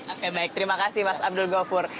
oke baik terima kasih mas abdul ghafur